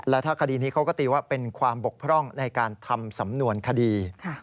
และถ้าคดีนี้เขาก็ตีว่าเป็นความบกพร่องในการทำสำนวนคดี